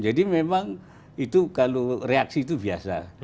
jadi memang reaksi itu biasa